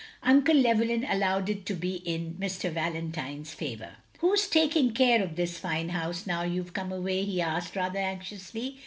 Uncle Llewelljm allowed it to be in Mr. Valen tine's favotar. " Who 's taking care of this fine house, now you 've come away?" he asked, rather anxiously.